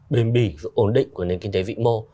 bền bỉ sự ổn định của nền kinh tế vị mô